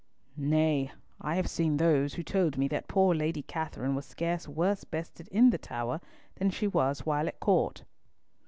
Nay, I have seen those who told me that poor Lady Katherine was scarce worse bested in the Tower than she was while at court."